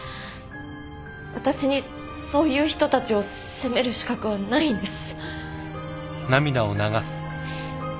私にそういう人たちを責める資格はないんです。